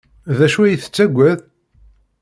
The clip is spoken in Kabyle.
D acu ay tettaggad?